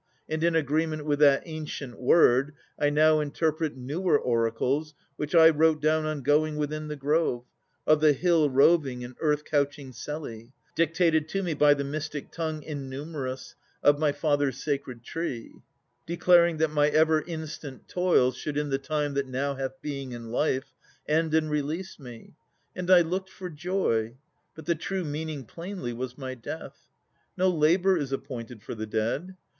And in agreement with that ancient word I now interpret newer oracles Which I wrote down on going within the grove Of the hill roving and earth couching Selli, Dictated to me by the mystic tongue Innumerous, of my Father's sacred tree; Declaring that my ever instant toils Should in the time that new hath being and life End and release me. And I look'd for joy. But the true meaning plainly was my death. No labour is appointed for the dead.